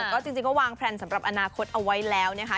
ก็จริงก็วางแพลนสำหรับอนาคตเอาไว้แล้วนะคะ